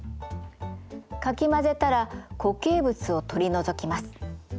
かき混ぜたら固形物を取り除きます。